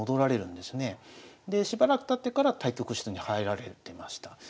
でしばらくたってから対局室に入られてました。